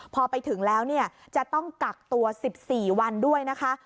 พอไปถึงแล้วเนี่ยจะต้องกักตัว๑๔วันด้วยนะคะ